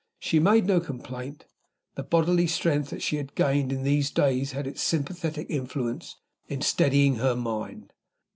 She made no complaint. The bodily strength that she had gained in these later days had its sympathetic influence in steadying her mind.